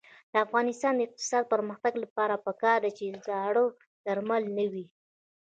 د افغانستان د اقتصادي پرمختګ لپاره پکار ده چې زاړه درمل نه وي.